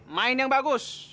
main yang bagus